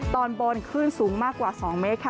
ตอนบนคลื่นสูงมากกว่า๒เมตรค่ะ